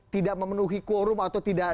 tidak memenuhi quorum atau tidak